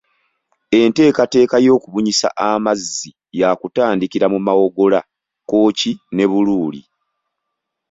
Enteekateeka y'okubunyisa amazzi yaakutandikira mu Mawogola, Kkooki ne Buluuli